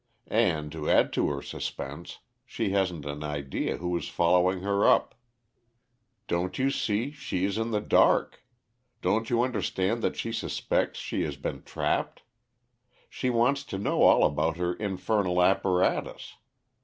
And, to add to her suspense, she hasn't an idea who is following her up. "Don't you see she is in the dark? Don't you understand that she suspects she has been trapped? She wants to know all about her infernal apparatus.